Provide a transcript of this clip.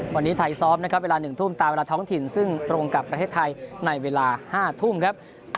วันนี้ไทยซ้อมนะครับเวลา๑ทุ่มตามเวลาท้องถิ่นซึ่งตรงกับประเทศไทยในเวลา๕ทุ่มครับ